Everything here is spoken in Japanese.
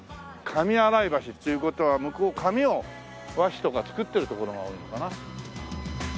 紙洗橋っていう事は向こう紙を和紙とか作ってる所が多いのかな？